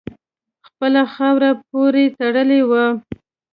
خپله خاوره پوري تړلی وو.